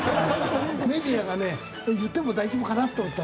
メディアがね言っても大丈夫かなと思ったら。